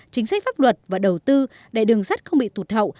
chính sách pháp luật và đầu tư để đường sắt không bị tụt hậu